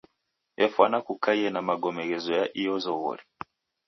Efwana kukaie na magome ghezoya iyo zoghori.